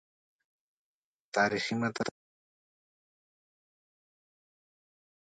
تاریخي متن په حیث استناد نه شي ورباندې کېدلای.